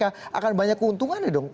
akan banyak keuntungannya dong